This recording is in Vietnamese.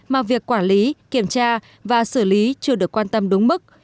mà việc quản lý kiểm tra và xử lý chưa được quan tâm đúng mức